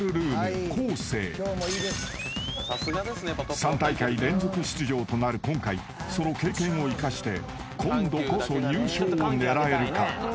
［３大会連続出場となる今回その経験を生かして今度こそ優勝を狙えるか？］